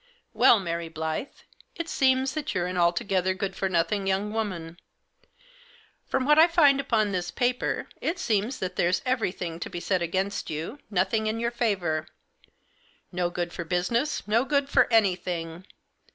"Well, Mary Blyth, it seems that you're an altogether good for nothing young woman. From what I find upon this paper it seems that there's every thing to be said against you, nothing in your favour ; no good for business, no good for anything.